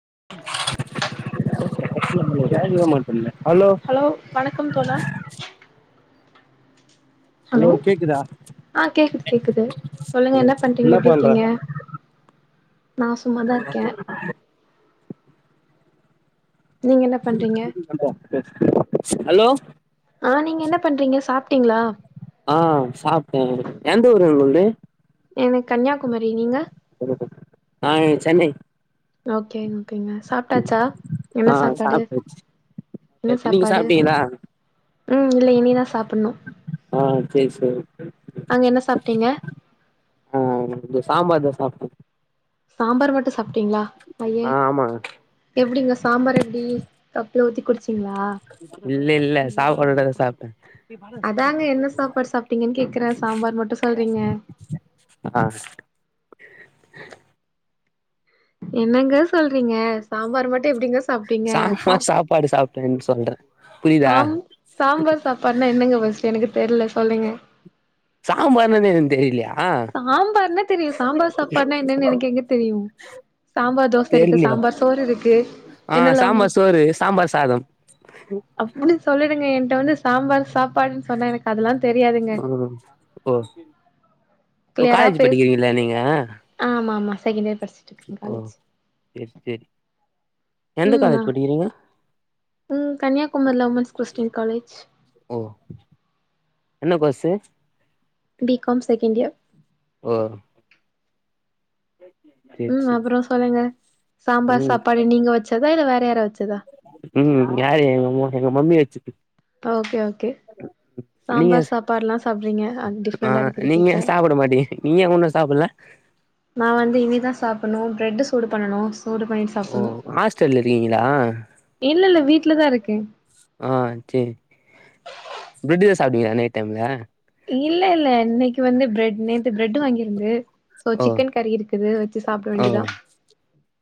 [inaudible] டேலியே இன்னு தெரில ஹலோ வணக்கம் தோழா ஹலோ கேக்குதா ஆ கேக்குது கேக்குது சொல்லுங்க என்ன பண்றீங்க எப்டி இருக்கீங்க நா சும்மாதா இருக்கே நீங்க என்ன பண்றீங்க ஹலோ ஆ நீங்க என்ன பண்றீங்க சாப்டீங்ளா ஆ சாப்டே எந்த ஊரு உங்கள்து நா கன்னியாகுமரி நீங்க நா இங் சென்னை ஓகேங்க ஓகேங்க சாப்ட்டாச்சா ஆ என்ன சாப்பாடு சாப்ட்டாச்சு என்ன நீங்க சாப்பாடு சாப்டீங்களா ம் இல்லை இனிதா சாப்டணு ஆ சேரி சேரி அங்க என்ன சாப்ட்டீங்க ஆ இந்த சம்பார் தா சாப்டே சாம்பார் மட்டு சாப் ஆ ஆமாங்க எப்டிங்க சாம்பார் எப்டி கப்ல ஊத்தி குடிச்சீங்களா இல்ல இல்ல சாப்பாடுடதா சாப்ட்டே அதாங்க என்ன சாப்பாடு சாப்ட்டீங்கன்னு கேக்குறே சாம்பார் மட்டு சொல்றீங்க ஆ என்னங்க சொல்றீங்க சாம்பார் மட்டு எப்டிங்க சாப்ட்டீங்க சா சாம்பார் சாப்பாடு சாப்ட்டேன்னு சொல்றே புரியுதா சாம் சாம்பார் சாப்பாடுன்னா என்னங்க ஃபர்ஸ்ட் எனக்கு தெர்ல சொல்லுங்க சாம்பார்னான்னே என்னன்னு தெரியலையா சாம்பார்னா தெரியு சாம்பார் சாப்பாடுன்னா என்னன்னு எனக்கு எங்க தெரியு சாம்பார் தோச இருக்கு தெர்லையா சாம்பார் சோறு இருக்கு ஆ என்னெல்லாமோ சாம்பார் சோறு சாம்பார் சாதம் அப்டி சொல்லிடுங்க என்ட்ட வந்து சாம்பார் சாப்பாடுன்னு சொன்னா எனக்கு அதெல்லா தெரியாதுங்க ம் ஓ ஓ கிளியரா காலேஜ் பேஸ் படிக்கிறீங்களா நீங்க ஆமா ஆமா செகண்ட் இயர் படிச்சுட்டு இருக்கே ஓ காலேஜ் சேரி சேரி எந்த ம் ஆ காலேஜ் படிக்கிறீங்க ம் கன்னியாகுமரில உமன்ஸ் கிறிஸ்டின் காலேஜ் ஓ என்ன கோர்ஸ் து பீ காம் செகண்ட் இயர் ஓ சேரி ம் சேரி அப்பறோ சொல்லுங்க ம் சாம்பார் சாப்பாடு நீங்க வச்சதா இல்ல வேற யார வச்சதா ம் யாரு எங்க மம் எங்க மம்மி வச்சது ஓகே ஓகே நீங்க சாம்பார் சாப்பாடுல்லா ஆ நீங்க சாப்ட மாட்டிங்க நீங்க ஒண்ணு சாப்ல நா வந்து இனிதா சாப்டணு பிரெட்டு் சூடு பண்ணனு சூடு பண்ணிட்டு ஓ சாப்டணு ஹாஸ்டல்ல இருக்கீங்களா இல்ல இல்ல வீட்லதா இருக்கே ஆ சேரி பிரெட் தா சாப்டுவியா நைட் டைம்ல இல்ல இல்ல இன்னக்கி வந்து பிரெட் நேத்து பிரெட் வாங்கியிருந்து சோ ஓ சிக்கன் கறி இருக்குது வச்சு சாப்ட ஓ வேண்டியதா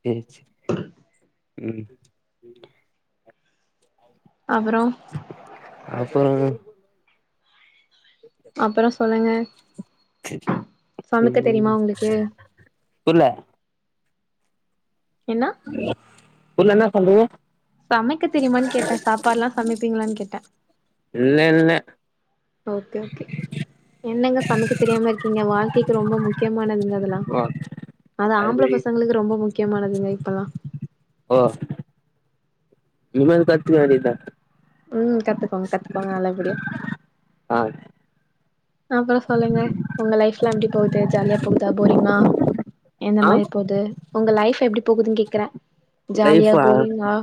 சேரி சேரி ம் அப்பறோ அப்பறோ அப்புறோ சொல்லுங்க சமைக்க தெரியுமா ம் உங்களுக்கு புர்ல என்ன புர்ல என்ன சொல்றது சமைக்க தெரியுமானு கேட்டே சாப்பாடுலா சமைப்பீங்களான்னு கேட்டே இல்ல இல்ல ஓகே ஓகே என்னங்க சமைக்க தெரியாம இருக்கீங்க வாழ்க்கைக்கு ரொம்ப முக்கியமானதுங்க அதலா ஓ அது ஆம்பள பசங்களுக்கு ரொம்ப முக்கியமானதுங்க இப்பல்லா ஓ இனிமேல் கத்துக்க வேண்டியதா ம் கத்துக்கோங்க கத்துக்கோங்க நல்லபடியா ஆ அப்பறோ சொல்லுங்க உங்க லைப்லா எப்டி போகுது ஜாலியா போகுதா போரிங்கா எந்த ஆ மாதிரி போகுது உங்க லைஃப் எப்டி போகுதுன்னு கேக்குறே ஜாலியா லைஃபா போரிங்கா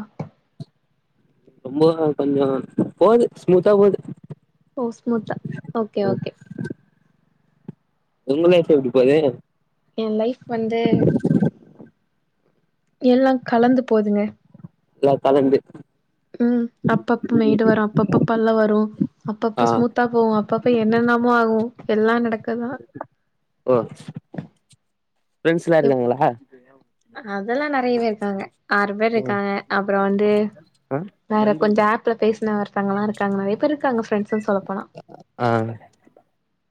ரொம்ப கொஞ்சோ போகுது ஸ்மூத்தா போகுது ஓ ஸ்மூத்தா ஓகே ஓகே உங்க லைஃப் எப்டி போது ஏ லைஃப் வந்து எல்லா கலந்து போதுங்க எல்லா கலந்து ம் அப்ப அப்ப மேடு வரு அப்பப்ப பள்ளோ வரு ஆ அப்பப்ப ஸ்மூத்தா போவு அப்பப் ப என்னன்னமோ ஆகு எல்லா நடக்கதா ஓ ஃப்ரெண்ட்ஸ்ல்லா எப் இருக்காங்களா அதெல்லா நெறைய பேர் இருக்காங்க ஆறு பேர் ஓ இருக்காங்க அப்பறோ வந்து ஆ வேற கொஞ்சோ ஆப்ல பேசின ஒருதவங்கல்லா இருக்காங்க நெறைய பேர் இருக்காங்க ஃப்ரெண்ட்ஸ்ன்னு சொல்லப்போனா [inaudible]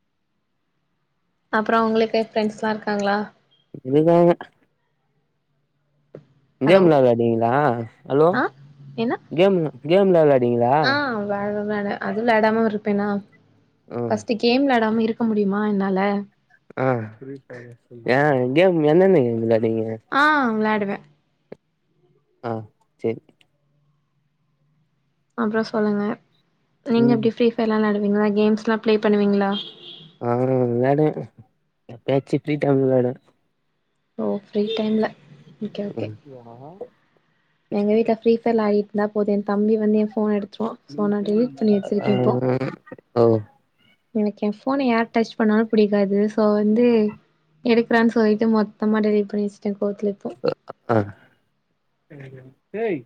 அப்ற உங்களுக்கு ஃப்ரெண்ட்ஸ்ல்லா இருக்காங்களா இருந்தாங்க ஹலோ கேம்லா விளாடுவீங்களா ஹலோ ஆ என்ன கேம் கேம்லா விளாடுவீங்களா விளா அதுவு விளாடாம இருப்பேன்னா ம் ஃபர்ஸ்ட்ட் கேம் விளாடாம இருக்க முடியுமா என்னால ஆ கேம் என்னன்ன இதுல ஆ விளாடுவே ஆ சரி அப்ற சொல்லுங்க நீங்க ம் எப்படி ஃபிரீ ஃபயர்ல்லா விளாடுவீங்களா கேம்ஸ்ல்லா பிளே பண்ணுவீங்களா ஆ விளாடுவே எப்பயாச்சு ஃப்ரீ டைம்ல விளாடுவே ஓ ஃப்ரீ டைம்ல ஓகே ஓகே [inaudible] எங்க வீட்ல ஃபிரீஃபயர் ஆடிட்டு இருந்தா போதன் தம்பி வந்து என் ஃபோன எடுத்ருவா சோ நா டிலேட் பண்ணி வச்சுிருக்கே இப்போ ஆ எனக்கு எ ஃபோனை யார் டச் பண்ணாலு பிடிக்காது சோ வந்து எடுக்கிறான் சொல்லிட்டு மொத்தமா டிலேட் பண்ணி வச்சுட்டே கோவத்துல இப்போ ஏய்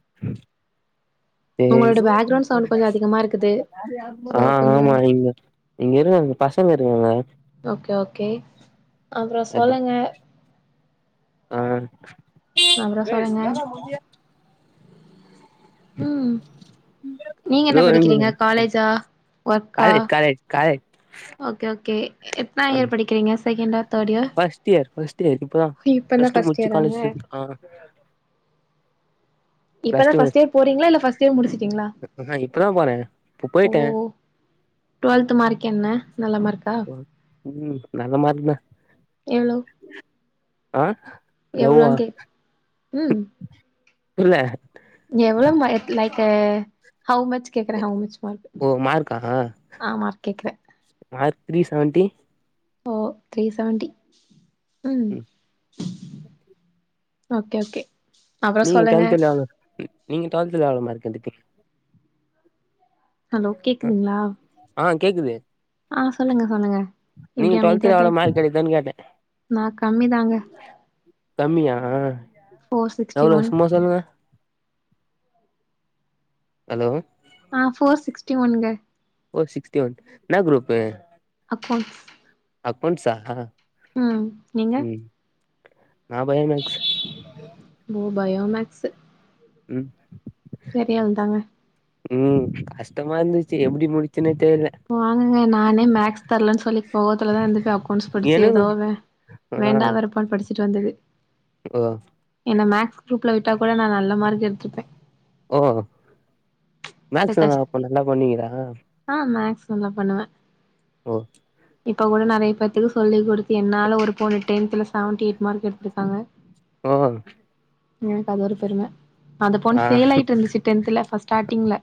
ஏய் உங்களோட பேக்ரவுண்ட் சவுண்ட் கொஞ்சோ அதிகமா இருக்குது. சோ ஆ கொஞ்சோ ஆமா இங்க இங்க இரு [unintelligible] பசங்க இருக்காங்க ஓகே ஓகே அப்ற அதா சொல்லுங்க ஆ அப்புறோ சொல்லுங்க. ம் நீங்க இதோ என்ன இங்க படிக்கிறீங்க காலேஜா ஒர்க்கா college college college okay okay எத்தனா ஆ இயர் படிக்கிறீங்க செகண்டா third year? First year first year இப்பதா இப்பதா ப்ளஸ் டூ ஃபர்ஸ்ட் முடிச்சு இயராங்க? காலேஜ் சேந்துருக்கா இப்பதா ஃபர்ஸ்ட் இயர் போறீங்களா இல்ல ஃபர்ஸ்ட் இயர் முடிச்சிட்டீங்களா ஆஹா இப்பதா போனே இப்ப ஓ போயிட்டே டுவெல்த் மார்க் என்ன நல்ல மார்க்கா ம் நல்ல மார்க் தா எவ்ளோ ஆ லவ் ஆ எவ்ளோன்னு கேக் ம் இல்ல எவ்ளோ மா லைக்கு ஹவ் மச் கேக்குற ஹவ் மச் மார்க் ஓ ஆ மார்க் கேக்குற நா த்ரீ செவன்ட்டி ஓ த்ரீ செவன்ட்டி உ ம் ஓகே ஓகே அப்றோ நீங்க சொல்லுங்க டுவெல்த்ல எவ்ளோ நீங்க டுவெல்த்ல எவ்ளோ மார்க் எடுத்தீங்க ஹலோ கேக்குதுங்களா ஆ கேக்குது ஆ சொல்லுங்க சொல்லுங்க இப்படி நீங்க அமைதியா டுவெல்த்ல எவ்ளோ தாய்ப் மார்க் எடுத்தன்னு கேட்டே நா கம்மி தாங்க கம்மியா ஃபோர் சிக்ஸ்டி எவ்ளோ ஒன் சும்மா சொல்லுங்க ஹலோ நா ஃபோர் சிக்ஸ்டி ஒன்ங்க ஃபோர் சிக்ஸ்டி ஒன் என்னா குரூப்பு அக்கௌண்ட்ஸ் அக்கௌண்ட்ஸ் ஆ ம் நீங்க நா பயோமேக்ஸ் போ பயோமேக்ஸ் ம் தெரிய வந்தாங்க ம் கஷ்டமா இருந்துச்சி எப்டி முடிச் போங்கங்க நானே மேக்ஸ் தெர்லன்னு சொல்லி கோவத்துலதா இருந்து போய் அக்கௌன்ட்ஸ் படிச்சி ஏதோ எனக்கு வே ஆ வேண்டா வேறுப்பான் படிச் சிட்டுவந்து ஓ என்ன மேக்ஸ் குரூப்ல விட்டா கூட நா நல்ல மார்க் எடுத்திருப்பே ஓ ச மேக்ஸ்லா கஷ் அப்போ நல்லா பண்ணுவிங்கலா ஆ மேக்ஸ் நல்லா பண்ணுவே ஒ இப்ப கூட நறைய பேத்துக்கு சொல்லிக்குடுத்து என்னால ஒரு பொண்ணு டென்த்துல செவன்டி எயிட் மார்க் எடுத்திருக்காங்க ஓ எனக்கு அது ஒரு பெரும அந்த பொண்ணு ஆ ஃபெயிலாயிட்டு இருந்துச்சி டென்த்துல அப்போ ஸ்டார்டிங்ல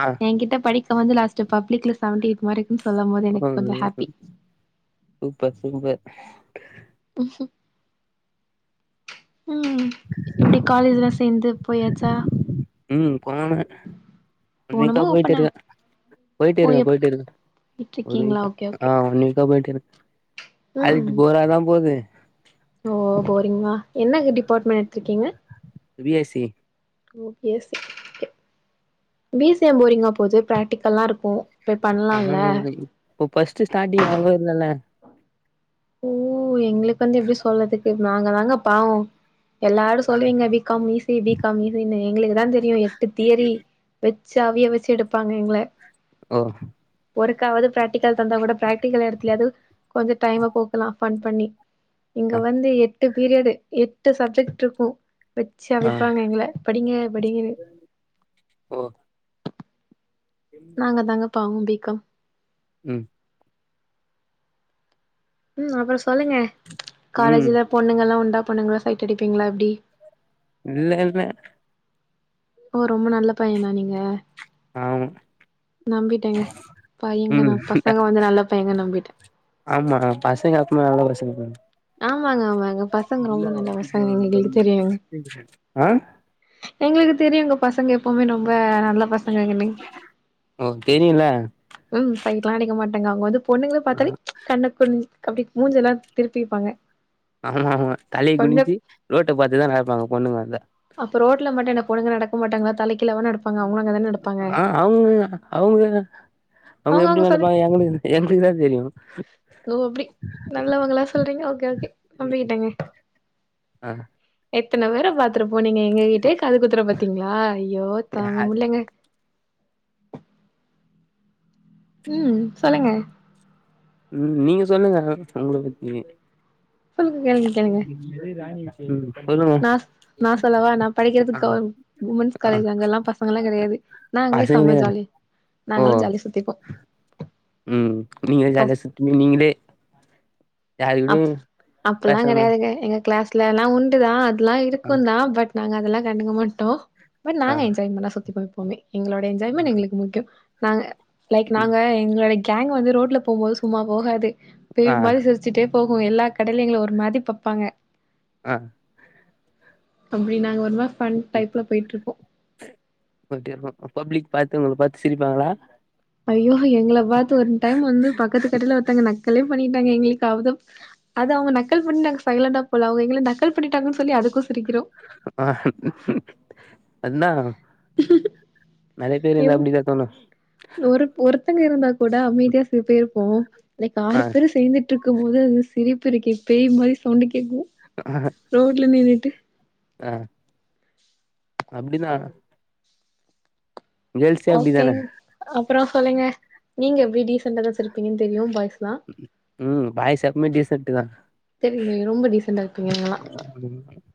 ஆ எயாகிட்ட படி இப்ப வந்து லாஸ்ட் பப்ளிக்ல செவன்டி எயிட் மார்க் ன்னு சொல்லமோது ஓ எனக்கு கொஞ்சோ ஹாப்பி சூப்பர் சூப்பர் ஆ ம் எப்டி காலேஜ்லா சேந்து போயாச்சா ம் போனே இன்னைக்கி தா போணுமா ஓப்பன போயிட்டிருக்கே போயிட்டு இருக்கே போய் போயிட்டு இருக்கே ஒரு விட்ருக்கீங்களா வீக்கா ஓகே ஆ ஓகே ஒன் வீக்கா போயிட்டிருக்கே காலேஜ் ம் போராதா போது ஓ போரிங்க என்ன டிபார்ட்மென் எடுத்திருக்கீங்க பி ஏ சி ஒ B A C okay B A C எயா போரிங்கா போது பிராக்டிக்கல்லா இருக்கு போய் ஆ பண்ணலாம்ல இப்போ ஃபர்ஸ்ட் ஸ்டார்டிங் அவ்ளோவா இல்லல்ல ஓ எங்களுக்கு வந்து எப்டி சொல்லறதுக்கு நாங்க தாங்க பாவோ எல்லாரு சொல்லுவீங்க B com easy B com ஈசிஅன்னு எங்களுக்கு தா தெரியு எட்டு தியரி வெ சி அவிய வெச்சி எடுப்பாங்க எங்க ஒ ஒருக்காவாது ப்ராக்டிகல் தந்தா கூட ப்ராக்டிக்கல் எடத்துலயாது கொஞ்சோ டைம் போக்கலா ஃபன் பண்ணி இங்க ஆ வந்து எட்டு பீரியடு எட்டு சப்ஜெக்ட் இருக்கு வெச்சு ஆ அவிப்பாங்க எங்கள படிங்க படிங்கனு ஓ நாங்க தாங்க பாவோ பி காம் ம் ம் அப்புறம் சொல்லுங்க ம் காலேஜ்ல பொண்ணுங்கல்லா உண்டா பொண்ணுங்களா சைட் அடிப்பீங்களா எப்டி இல்ல இல்ல ஓ ரொம்ப நல்ல பையனா நீங்க ஆமா நம்பிட்டேங்க பையங்களா ம் பசங்க வந்து நல்ல பையங்க நம்பிட்டே ஆமா பசங்க எப்பவுமே நல்ல பசங்க தானே ஆமாங்க ஆமாங்க பசங்க ரொம்ப நல்ல பசங்க எங்க எங்களுக்கு தெரியு எங்க ஆ எங்களுக்கு தெரியுங்க பசங்க எப்பவுமே ரொம்ப ப நல்ல பசங்க எங்க நீ ஓ தெரியுல ம் சைட்லா அடிக்க மாட்டேங்க அவுங்க வந்து பொண்ணுங்கள பாத்தாலே கண்ணு கொஞ் அப்டி மூஞ்சல்லா திருப்பிப்பாங்க ஆமா ஆமா தலைய கொஞ்ச குனிஞ்சி ரோட்ட பாத்துதா நடப்பாங்க பொண்ணுங்க வந்த அப்போ ரோட்ல மட்டு இன்னா பொண்ணுங்க நடக்க மாட்டங்களா தலைக் ஆ அவுக அவுக அவுங்க அவங்க எப்டி அவங்க சொல்லு நப்பாங்க எங்களுக்கு எங்களுக்குதா தெரியும் ஓ அப்டி நல்லவங்களா சொல்றீங்க ஓகே ஓகே ம் நம்பிக்கிட்டேங்க ஆ எத்தன பேரை பாத்துட்டு போன நீங்க எங்ககிட்ட காது குத்துற பாத்தீங்களா அய்யோ தாங்க யாரு முலங்க ம் சொல்லுங்க ம் நீங்க சொல்லுங்க உங்கள பத்தி சொல்லுங்க இங்கங்க ம் சொல்லுங்க நா நா சொல்லவா நா ஆ படிக்கிறதுக்கு கவெ உமன்ஸ் ஆ காலேஜ் அங்க எல்லா பசங்க எல்லா கெடையாது நா ங்களே செம்ம பசங்களே ஜாலி ஓ நாங்களே ஜாலியா சுத்திப்போ ம் நீங்களே ப ஜாலியா சுத்த நீங்களே யாருக்கூடயு அப் அப்பல்லா பேசாம கெடையாதுங்க எங்க கிளாஸ் ல எல்லாம் உண்டுதான் அதெல்லாம் இருக்கும் தான் பட் நாங்க அதெல்லாம் கண்டுக்க மாட்டோம் பட் ஆ நாங்க என்ஜாய்மெண்டா சுத்தி பாப்போமே எங்களோட என்ஜாய்மெண்ட் எங்களுக்கு முக்கியம் நாங்க லைக் ம் நாங்க எங்களோட கேங் வந்து ரோட்ல போம்போது சும்மா போகாது பேய் ஆ மாரி சிரிச்சுட்டே போகும் எல்லா கடலேங்களும் ஒரு மாரி பாப்பாங்க ஆ அப்டி நாங்க ஒருமா ஃபன் டைப்ல போயிட்ருப்போம் போயிட்டே இருக்கு பப்ளிக் பாத்து உங்கள பாத்து சிரிப்பாங்களா ஐயோ எங்கள பாத்து ஒரு டைம் வந்து பக்கத்து கடையில ஒருத்தாங்க நக்கலே பண்ணி டாங்க எங்களுக்கு அவதம் அது அவங்க நக்கல் பண்ணி சைலண்டா போல அவங்க எங்களை நக்கல் பண்ணிட்டாங்க சொல்லி அதுக் ஆஹ ம் ம் அதுந்தான் நெறைய பேர் இருந்த அப்டிதா தோணு பசங்க இருந்தா கூட அமைதியா சிறு பேய்ப்போம் லைக் ஆ ஆறு பேரும் சேந்துட்டு இருக்கும் போது சிரிப்பு இருக்கே பெய் மாரி சவுண்ட் கேக்கு ரோட்ல நின்னுட்டு ஆ அப்டினா ஓகே அப்றம் சொல்லுங்க நீங்க எப்டி டீசண்டா தா சிரிப்பீங்க ம் பாய் எப்மே டீசன்ட்டுதா தெரிங்கய ரொம்ப டீசன்ட்டா இருப்பீங்க எங்கல்லா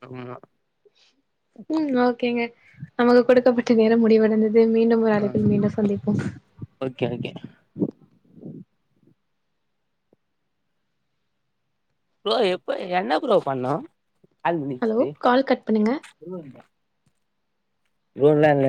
ஆமா ம் ஓகேங்க நமக்கு கொடுக்கப்பட்ட நேரம் முடிவட ஆ ஓகே ஓகே ப்ரோ எப்ப என்ன ப்ரோ பண்ணோம் ஹலோ கால் கட் பண்ணுங்க [unintelligible] [unintelligible] லா இல்ல